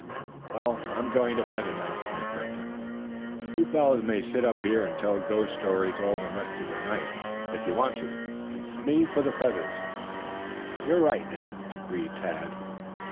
"Well, I'm going to bed," announced Ned Rector. "You fellows may sit up here and tell ghost stories all the rest of the night if you want to. It's me for the feathers." "You're right, Ned," agreed Tad.